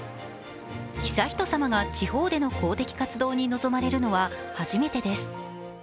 悠仁さまが地方での公的活動に臨まれるのは初めてです。